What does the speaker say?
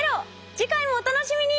次回もお楽しみに！